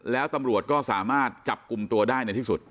แล้วตำรวจก็สามารถจับกลุ่มตัวได้ในที่สุด